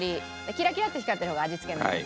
キラキラっと光ってる方が味付け海苔です。